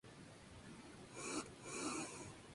La torre contaba con una guarnición de cuatro hombres.